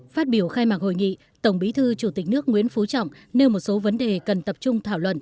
phát biểu khai mạc hội nghị tổng bí thư chủ tịch nước nguyễn phú trọng nêu một số vấn đề cần tập trung thảo luận